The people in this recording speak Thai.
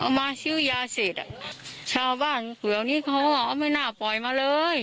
เอามาซิ้วยาเสร็จอ่ะชาวบ้านหลวงที่เขาอ่ะไม่น่าปล่อยมาเลย